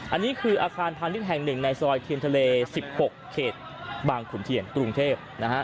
อันนี้คืออาคารพาณิชย์แห่งหนึ่งในซอยเทียนทะเล๑๖เขตบางขุนเทียนกรุงเทพนะฮะ